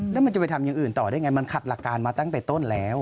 แล้วมันจะไปทำอย่างอื่นต่อได้ไงมันขัดหลักการมาตั้งแต่ต้นแล้ว